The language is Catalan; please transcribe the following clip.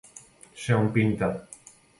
Ser un pinta.